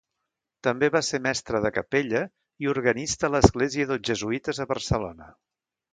També va ser mestre de capella i organista a l'església dels jesuïtes a Barcelona.